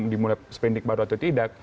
dimulai seperindik baru atau tidak